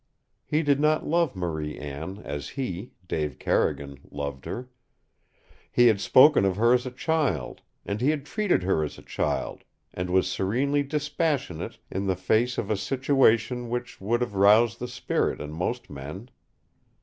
He did not love Marie Anne as he, Dave Carrigan, loved her. He had spoken of her as a child, and he had treated her as a child, and was serenely dispassionate in the face of a situation which would have roused the spirit in most men.